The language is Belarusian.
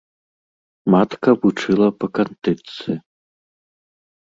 Матка вучыла па кантычцы.